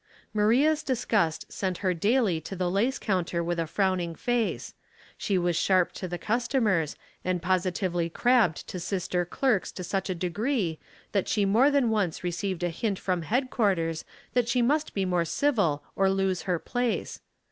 Maria's disgust sent her daily to the lace counter with a frowning face. She was sharp to the customers, and positively crabbed to sister clerks to such a degree that she more than once received a hint from headquarters that she must be more civil or lose her place.